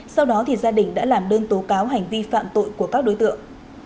sau đó thì gia đình đã làm đơn tố cáo hành vi phạm tội của các đối tượng